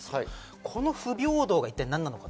この不平等が何なのか。